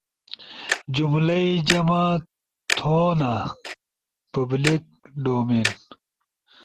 جملئی جمع تھونا، پبلک ڈومین